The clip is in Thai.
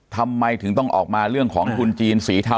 ทำไมถึงต้องออกมาเรื่องของทุนจีนสีเทา